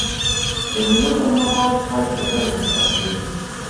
د مېلو پر مهال خلک په ګډه نڅا کوي.